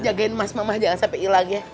jagain emas mama jangan sampai hilang ya